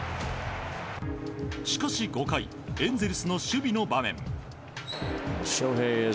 しかし５回エンゼルスの守備の場面。